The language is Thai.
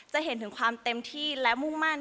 จะเห็นถึงความเต็มที่และมุ่งมั่น